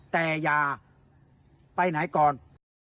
แต่อย่าไปไหนก่อน